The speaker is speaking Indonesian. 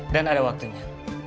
dan ada waktunya